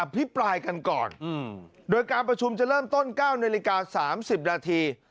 พิปรายกันก่อนโดยการประชุมจะเริ่มต้น๙นาฬิกา๓๐นาที